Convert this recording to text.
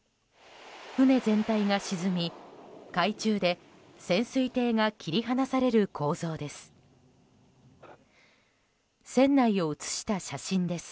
船全体が沈み、海中で潜水艇が切り離される構造です。